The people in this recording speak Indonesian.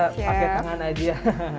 kita pakai tangan saja